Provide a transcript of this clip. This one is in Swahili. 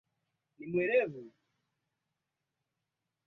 msemaji wa baraza hilo bi elizabeth brellal